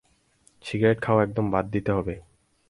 Cigarette খাওয়া একদম বাদ দিতে হবে।